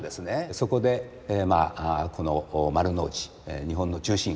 そこでこの丸の内日本の中心